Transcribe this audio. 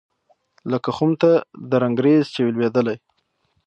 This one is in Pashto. لکه خُم ته د رنګرېز چي وي لوېدلی